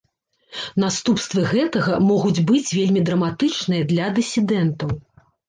Наступствы гэтага могуць быць вельмі драматычныя для дысідэнтаў.